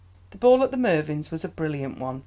The ball at the Mervyns' was a brilliant one.